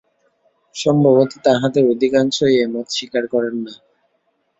সম্ভবত তাঁহাদের অধিকাংশই এ মত স্বীকার করেন না।